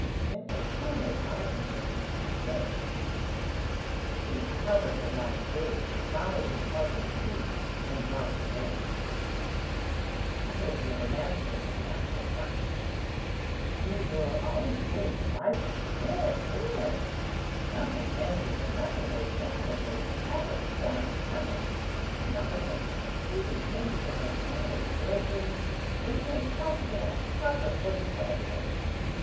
in a tone advising her to speak low. She recovered her volubility, followed his partial retreat, and dropped her voice, "Impossible to have imagined it as an actual fact! You were always full of surprises, but this! this! Nothing manlier, nothing more gentlemanly has ever been done: nothing: nothing that so completely changes an untenable situation into a comfortable and proper footing for everybody.